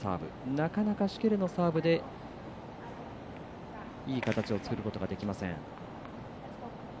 なかなか、シュケルのサーブでいい形を作ることができません。